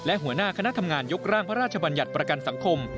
และหัวหน้าคณะทำงานยกร่างพระราชบัญญัติประกันสังคม